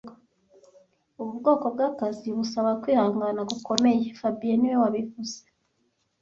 Ubu bwoko bwakazi busaba kwihangana gukomeye fabien niwe wabivuze